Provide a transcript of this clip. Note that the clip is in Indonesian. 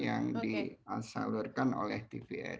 jadi ini sudah disalurkan oleh tvri